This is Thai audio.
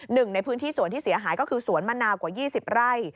หนึ่งในพื้นที่สวนที่เสียหายก็คือสวนมะนาวกว่า๒๐ไร่